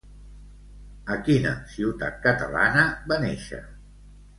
A quina ciutat catalana va néixer?